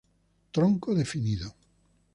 Tronco definido.